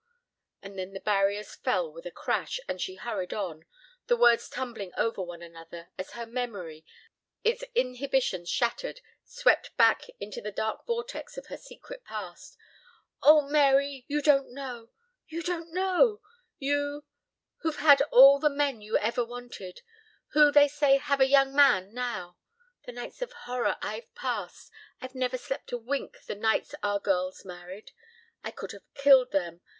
And then the barriers fell with a crash and she hurried on, the words tumbling over one another, as her memory, its inhibitions shattered, swept back into the dark vortex of her secret past. "Oh, Mary! You don't know! You don't know! You, who've had all the men you ever wanted. Who, they say, have a young man now. The nights of horror I've passed. I've never slept a wink the nights our girls married. I could have killed them.